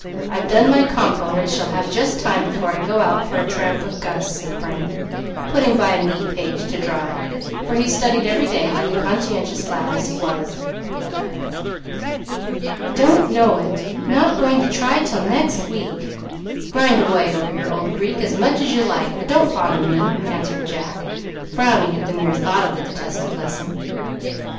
I've done my compo, and shall have just time before I go out for a tramp with Gus," said Frank, putting by a neat page to dry, for he studied every day like a conscientious lad as he was. "Don't know it. Not going to try till next week. Grind away over your old Greek as much as you like, but don't bother me," answered Jack, frowning at the mere thought of the detested lesson.